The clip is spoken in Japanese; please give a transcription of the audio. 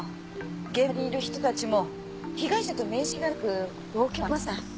現場にいる人たちも被害者と面識がなく動機もありません。